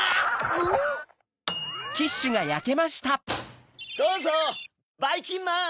グゥチンどうぞばいきんまん！